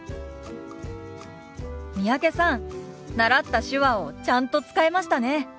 三宅さん習った手話をちゃんと使えましたね。